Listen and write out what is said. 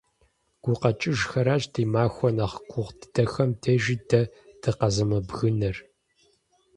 ГукъэкӀыжхэращ ди махуэ нэхъ гугъу дыдэхэм дежи дэ дыкъэзымыбгынэр.